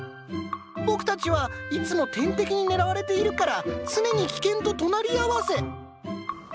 僕たちはいつも天敵に狙われているから常に危険と隣り合わせ。